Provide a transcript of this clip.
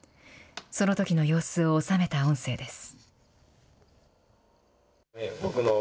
そのときの様子を収めた音声です。